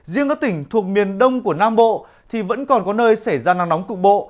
riêng các tỉnh thuộc miền đông của nam bộ thì vẫn còn có nơi xảy ra nắng nóng cục bộ